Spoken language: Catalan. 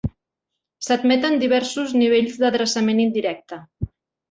S"admeten diversos nivells d"adreçament indirecte.